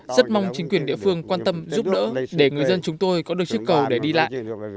rất mong chính quyền địa phương quan tâm giúp đỡ để người dân chúng tôi có được chiếc cầu để đi lại